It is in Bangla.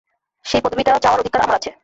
সেই পদবীটা চাওয়ার অধিকার আমার আছে।